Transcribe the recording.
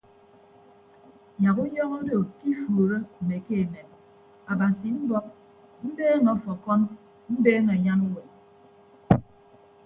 Yak unyọñọ odo ke ifuuro mme ke emem abasi mbọk mbeeñe ọfọfọn mbeeñe anyan uwem.